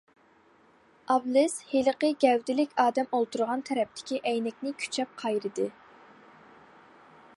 ئابلىز ھېلىقى گەۋدىلىك ئادەم ئولتۇرغان تەرەپتىكى ئەينەكنى كۈچەپ قايرىدى.